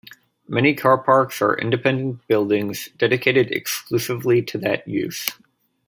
Many car parks are independent buildings dedicated exclusively to that use.